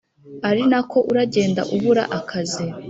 arinako uragenda ubura akazi